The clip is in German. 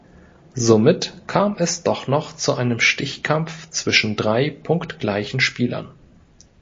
Somit kam es doch noch zu einem Stichkampf zwischen drei punktgleichen Spielern.